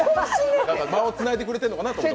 場をつないでくれてるのかと思って。